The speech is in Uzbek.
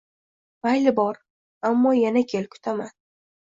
Mayli, bor. Ammo yana kel, kutaman.